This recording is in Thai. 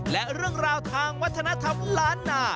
และเรื่องราวทางวัฒนธรรมล้านนา